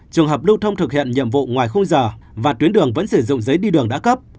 trường hợp lưu thông thực hiện nhiệm vụ ngoài khung giờ và tuyến đường vẫn sử dụng giấy đi đường đã cấp